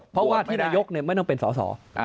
เพราะว่าที่นายกไม่ต้องเป็นสอสอ